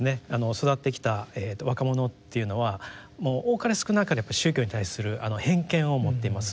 育ってきた若者っていうのは多かれ少なかれ宗教に対する偏見を持っています。